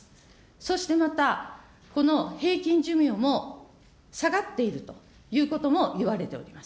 そしてまた、平均寿命も下がっているということもいわれております。